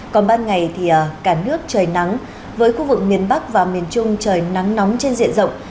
còn ban ngày thì cả nước trời nắng với khu vực miền bắc và miền trung trời nắng nóng trên diện rộng